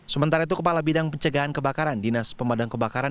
sementara itu kepala bidang pencegahan kebakaran dinas pemadam kebakaran